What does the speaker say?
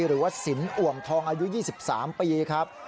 หรือว่าสินอ่วมทองอายุ๒๓ปีครับ